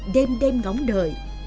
đêm đêm ngóng đợi